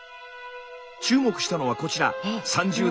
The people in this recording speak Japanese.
注目したのはこちら。